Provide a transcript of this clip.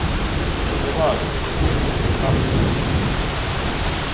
— То не важить. Прийми Христа в душу.